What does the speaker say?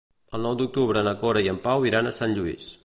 El nou d'octubre na Cora i en Pau iran a Sant Lluís.